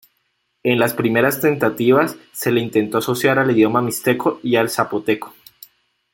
En las primeras tentativas se le intentó asociar al idioma mixteco y al zapoteco.